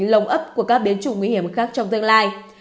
lồng ấp của các biến chủng nguy hiểm khác trong tương lai